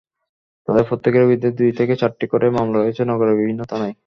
তাদের প্রত্যেকের বিরুদ্ধে দুই থেকে চারটি করে মামলা রয়েছে নগরের বিভিন্ন থানায়।